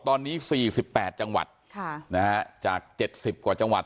ตอนนี้สี่สิบแปดจังหวัดค่ะนะฮะจากเจ็ดสิบกว่าจังหวัด